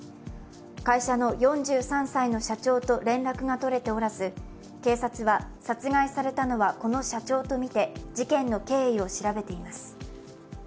会社の４３歳の社長と連絡が取れておらず、警察は殺害されたのは、この社長とみて事件の経緯を調べています。